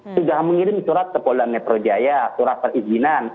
sudah mengirim surat kepolangnya projaya surat perizinan